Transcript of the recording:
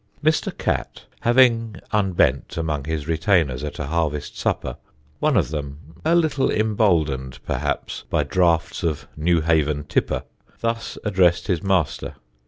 Mr. Catt, having unbent among his retainers at a harvest supper, one of them, a little emboldened perhaps by draughts of Newhaven "tipper," thus addressed his master.